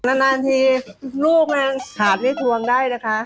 นานทีลูกถามนี่ทวงได้นะคะ